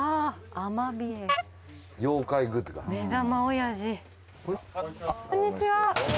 あっこんにちは。